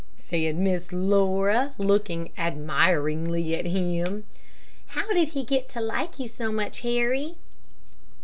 said Miss Laura, looking admiringly at him. "How did he get to like you so much, Harry?"